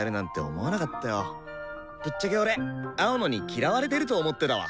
ぶっちゃけ俺青野に嫌われてると思ってたわ！